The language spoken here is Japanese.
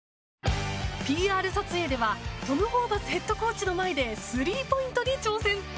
ＰＲ撮影ではトム・ホーバスヘッドコーチの前で、スリーポイントに挑戦。